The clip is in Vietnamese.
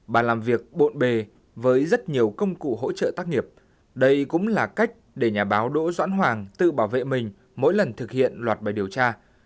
bà làm việc bộn bề với rất nhiều công cụ hỗ trợ tác nghiệp đây cũng là cách để nhà báo đỗ doãn hoàng tự bảo vệ mình mỗi lần thực hiện loạt bài điều tra